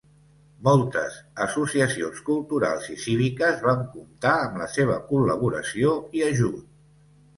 Moltes associacions culturals i cíviques van comptar amb la seva col·laboració i ajut.